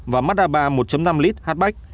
và mada ba một năm l hatchback